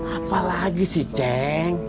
apa lagi sih cek